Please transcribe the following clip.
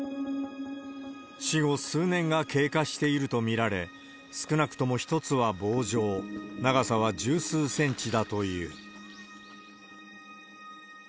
死後数年が経過していると見られ、少なくとも１つは棒状、長さは十数センチだという。